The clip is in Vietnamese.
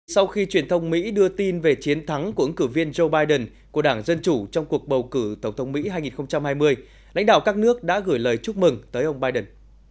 sau khi truyền thông mỹ đưa tin về chiến thắng của ứng cử viên joe biden của đảng dân chủ trong cuộc bầu cử tổng thống mỹ hai nghìn hai mươi lãnh đạo các nước đã gửi lời chúc mừng tới ông biden